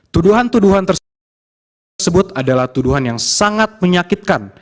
tuduhan tuduhan tersebut adalah tuduhan yang sangat menyakitkan